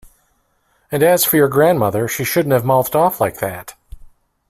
And as for your grandmother, she shouldn't have mouthed off like that!